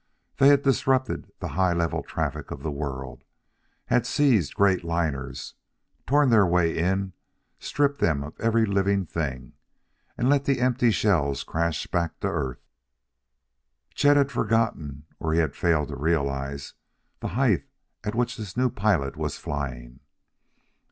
They had disrupted the high level traffic of the world; had seized great, liners; torn their way in; stripped them of every living thing, and let the empty shells crash back to earth. Chet had forgotten or he had failed to realize the height at which this new pilot was flying.